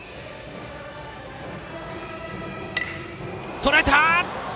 とらえた！